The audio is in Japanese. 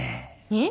えっ？